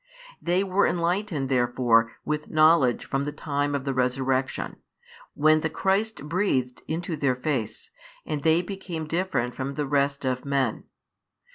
They were enlightened therefore with knowledge from the time of the Resurrection, when the Christ breathed into their face, and they became different from the rest of men.